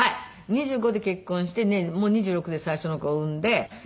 ２５で結婚をしてもう２６で最初の子を産んで。